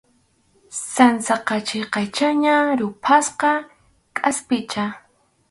Sansa qachiykachana ruphasqa kʼaspicha.